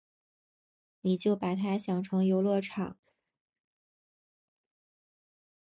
你就把他想成游乐场